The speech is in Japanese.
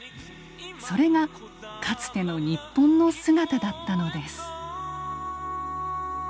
それがかつての日本の姿だったのです。